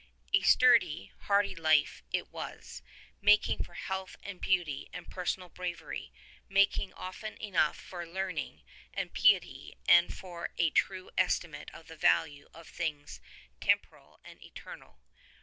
A sturdy, hardy life it was, making for health and beauty and personal bravery; making often enough for learning and piety and for a true estimate of the value of things tem poral and eternal.